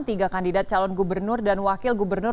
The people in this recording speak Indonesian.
tiga kandidat calon gubernur dan wakil gubernur